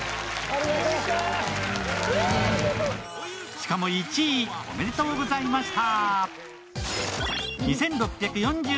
しかも１位。おめでとうございました。